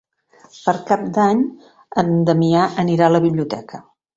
Per Cap d'Any en Damià anirà a la biblioteca.